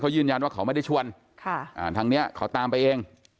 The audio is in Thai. ยืนยันว่าเขาไม่ได้ชวนทางนี้เขาตามไปเอง